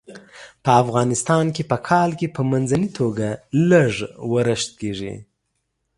په افغانستان کې په کال کې په منځنۍ توګه لږ ورښت کیږي.